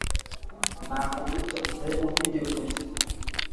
na kuiita sehemu hiyo Mexico,